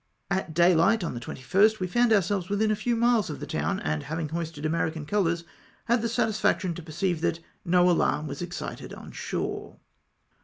At dayhght on the 21st, we found ourselves •within a few miles of the town, and having hoisted American colours, had the satisfaction to perceive that no alarm was excited on shore.